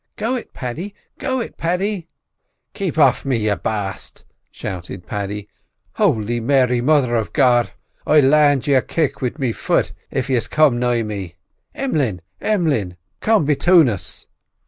"Go it, Paddy! go it, Paddy!" "Kape off me, you baste!" shouted Paddy. "Holy Mary, Mother of God! I'll land you a kick wid me fut if yiz come nigh me. Em'leen! Em'leen! come betune us!"